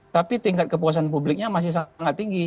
tapi tingkat kepuasan publiknya masih sangat tinggi